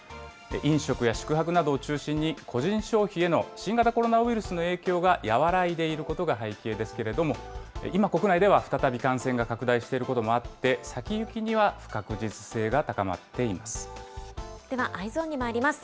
飲食や宿泊などを中心に、個人消費への新型コロナウイルスの影響が和らいでいることが背景ですけれども、今、国内では再び感染が拡大していることもあって、先行ではＥｙｅｓｏｎにまいります。